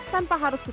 tanpa harus mencoba